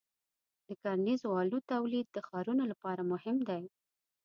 د کرنیزو آلو تولید د ښارونو لپاره مهم دی.